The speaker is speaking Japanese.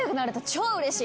超うれしい。